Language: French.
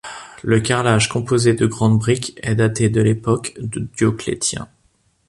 Le carrelage, composé de grandes briques, est daté de l'époque de Dioclétien.